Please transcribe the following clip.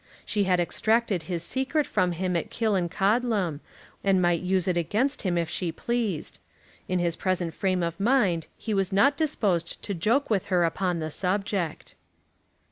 She had extracted his secret from him at Killancodlem, and might use it against him if she pleased. In his present frame of mind he was not disposed to joke with her upon the subject.